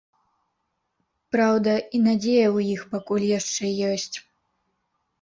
Праўда, і надзея ў іх пакуль яшчэ ёсць.